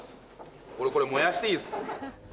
俺、これ、燃やしていいですか？